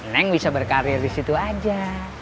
leng bisa berkarir disitu aja